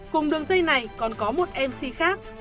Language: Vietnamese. cùng đường dây này còn có một mc khác